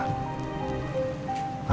aku ada janji meeting sama pengacara